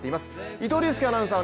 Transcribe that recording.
伊藤隆佑アナウンサー